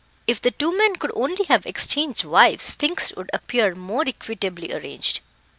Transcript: If the two men could only have exchanged wives, things would appear more equitably arranged."